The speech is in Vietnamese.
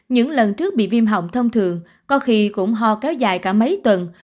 những lần trước bị viêm hỏng thông thường có khi cũng ho kéo dài cả mấy tuần